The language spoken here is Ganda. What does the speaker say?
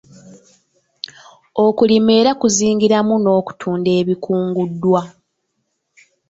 Okulima era kuzingiramu n'okutunda ebikunguddwa.